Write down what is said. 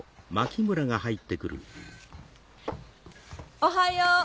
おはよう。